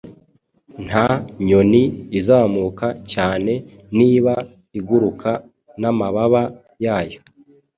Nta nyoni izamuka cyane, niba iguruka n'amababa yayo.